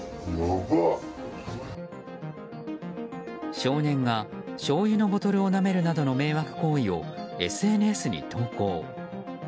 少年が、しょうゆのボトルをなめるなどの迷惑行為をＳＮＳに投稿。